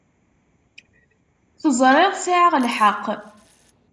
Teẓriḍ sεiɣ lḥeqq.